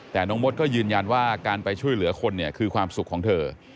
แต่น้องมดก็ยืนยันว่าการไปช่วยเหลือคนเนี่ยคือความสุขของเธอ